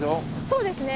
そうですね。